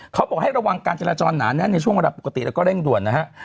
เขาบอกให้ระวังการจราจรหนาแน่นในช่วงเวลาปกติแล้วก็เร่งด่วนนะฮะ